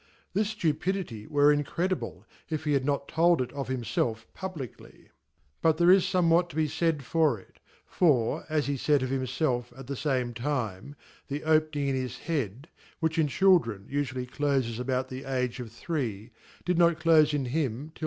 This ftupidity. were incredible » if ks had not told it of himfelf Publickly ; but there is fomewhat to be [aid for it ; for (as hcfaid ofJnmfelf at the fame time) the opening in his head (which in Children ufually clofes about the age of three) did not clofe in him tilth?